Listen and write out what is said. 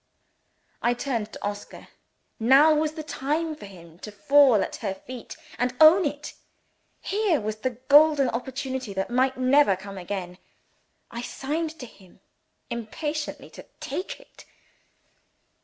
I turned to Oscar. Now was the time for him to fall at her feet and own it! Here was the golden opportunity that might never come again. I signed to him impatiently to take it.